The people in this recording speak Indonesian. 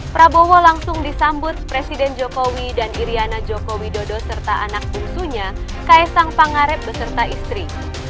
prabowo langsung disambut presiden jokowi dan iryana joko widodo serta anak bungsunya kaisang pangarep beserta istri